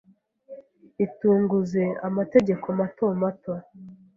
Itunguze amategeko mato mato